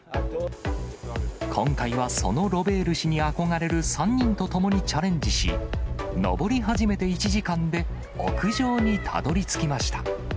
今回はそのロベール氏に憧れる３人と共にチャレンジし、登り始めて１時間で、屋上にたどりつきました。